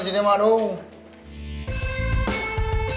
setan mah ya